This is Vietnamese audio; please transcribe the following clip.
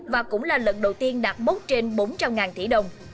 và cũng là lần đầu tiên đạt bốc trên bốn trăm linh tỷ đồng